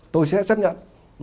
tôi sẽ xác nhận